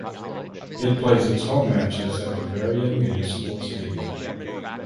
It plays its home matches at the Veria Municipal Stadium.